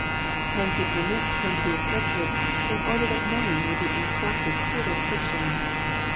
Hence He permits some to be i^icted, in order tiiat many may be instructed through their afflictions.